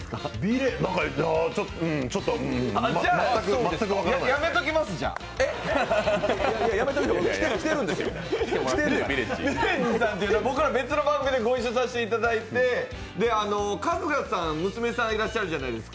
ヴィレッジさんとは僕ら、別の番組でご一緒させていただいて春日さん、娘さん、いらっしゃるじゃないですか。